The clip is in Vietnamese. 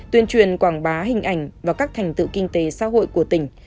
tuyên truyền quảng bá hình ảnh và các thành tựu kinh tế xã hội của tỉnh